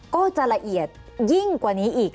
ก็จะละเอียดยิ่งกว่านี้อีก